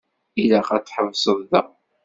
Ilaq ad tḥebseḍ da.